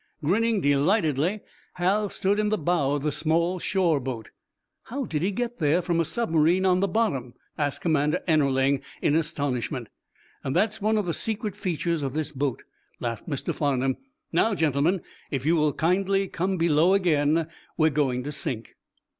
Grinning delightedly, Hal stood in the bow of the small shore boat. "How did he get there, from a submarine on the bottom?" asked Commander Ennerling, in astonishment. "That is one of the secret features of this boat," laughed Mr. Farnum. "Now, gentlemen, if you will kindly come below again, we're going to sink."